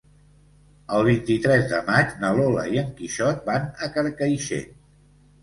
El vint-i-tres de maig na Lola i en Quixot van a Carcaixent.